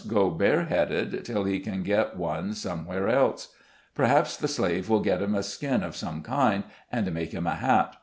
179 go bareheaded till he can get one somewhere else. Perhaps the slave will get him a skin of some kind, and make him a hat.